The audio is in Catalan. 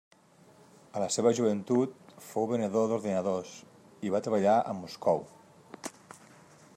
A la seva joventut fou venedor d'ordinadors i va treballar a Moscou.